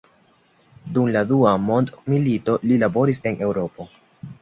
Dum la dua mondmilito li laboris en Eŭropo.